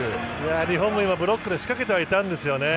日本も今ブロックで仕掛けようとしていたんですけどね。